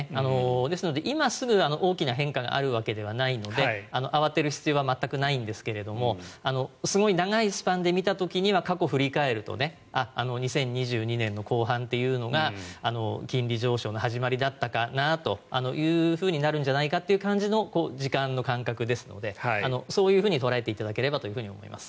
ですので今すぐ大きな変化があるわけではないので慌てる必要は全くないんですがすごい長いスパンで見た時には過去振り返るとあの２０２２年の後半というのが金利上昇の始まりだったかなというふうになるんじゃないかという時間の感覚ですのでそう捉えていただければと思います。